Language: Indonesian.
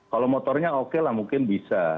kalau motornya oke lah mungkin bisa